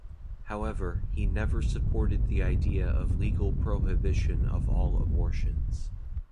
However, he never supported the idea of legal prohibition of all abortions.